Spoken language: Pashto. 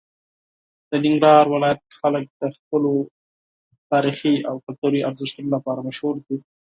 د ننګرهار ولایت خلک د خپلو تاریخي او کلتوري ارزښتونو لپاره مشهور دي.